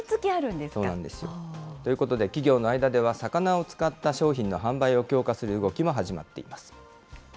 そうなんですよ。ということで、企業の間では、魚を使った商品の販売を強化する動きも始まっ